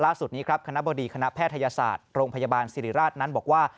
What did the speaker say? ล่าสุดนี้ครับคณะบดีคณะแพทยศาสตร์โรงพยาบาลสิริราชนั้นบอกว่า